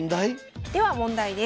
では問題です。